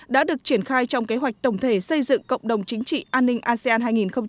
đã được triển khai trong kế hoạch tổng thể xây dựng cộng đồng chính trị an ninh asean hai nghìn hai mươi năm